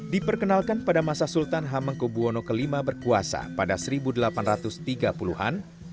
diperkenalkan pada masa sultan hamengkubuwono v berkuasa pada seribu delapan ratus tiga puluh an